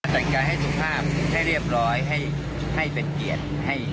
แต่งกายให้สุภาพให้เรียบร้อยให้เป็นเกียรติ